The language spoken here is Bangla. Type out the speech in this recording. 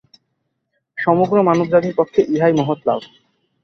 সমগ্র মানবজাতির পক্ষে ইহাই মহৎ লাভ।